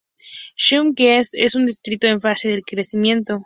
Salem-Keizer es un distrito en fase de crecimiento.